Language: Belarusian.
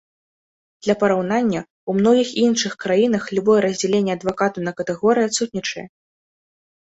Для параўнання, у многіх іншых краінах любое раздзяленне адвакатаў на катэгорыі адсутнічае.